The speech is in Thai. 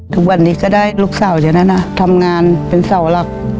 ทุกวันนี้ก็ได้ลูกสาวเดี๋ยวนั้นนะทำงานเป็นเสาหลัก